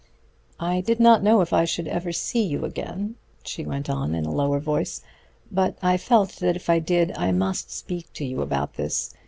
"I did not know if I should ever see you again," she went on in a lower voice, "but I felt that if I did I must speak to you about this.